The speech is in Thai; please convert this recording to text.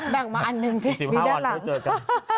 แบ่งมาอันหนึ่งสิมีด้านหลังอีก๑๕วันก็เจอกัน